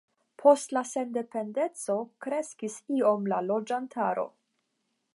Post la sendependeco kreskis iom la loĝantaro.